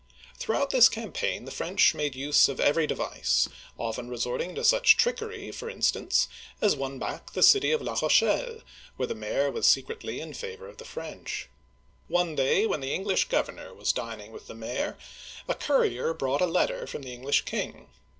Throughout this campaign the French made use of every device, often resorting to such trickery, for instance, as won back the city of La Rochelle, where the mayor was secretly in favor of the French. One day, when the Eng lish governor was dining with the mayor, a courier brought a letter from the English king.